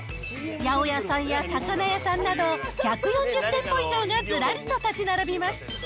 八百屋さんや魚屋さんなど、１４０店舗以上がずらりと建ち並びます。